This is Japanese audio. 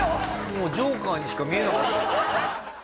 もうジョーカーにしか見えなかった。